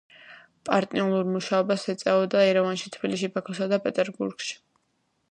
პარტნიორულ მუშაობას ეწეოდა ერევანში, თბილისში, ბაქოსა და პეტერბურგში.